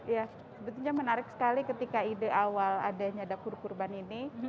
ya sebetulnya menarik sekali ketika ide awal adanya dapur kurban ini